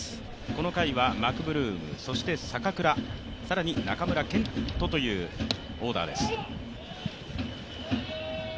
この回はマクブルームそして坂倉、更に中村健人というオーダーです。